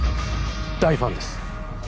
大ファンです